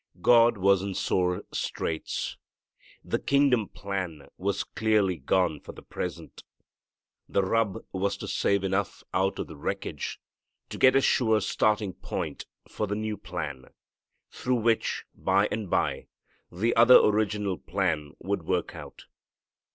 God was in sore straits. The kingdom plan was clearly gone for the present. The rub was to save enough out of the wreckage to get a sure starting point for the new plan, through which, by and by, the other original plan would work out.